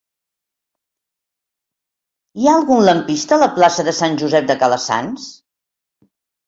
Hi ha algun lampista a la plaça de Sant Josep de Calassanç?